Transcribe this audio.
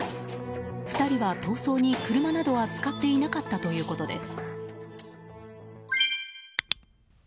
２人は逃走に車などは使っていなかったということです。